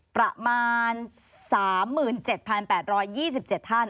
ประมาณ๓๗๘๒๗ท่าน